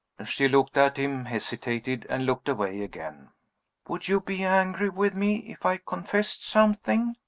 She looked at him; hesitated; and looked away again. "Would you be angry with me if I confessed something?"